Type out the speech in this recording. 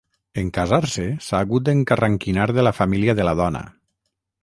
En casar-se, s'ha hagut d'encarranquinar de la família de la dona.